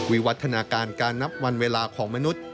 วิวัฒนาการการนับวันเวลาของมนุษย์